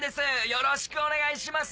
よろしくお願いします！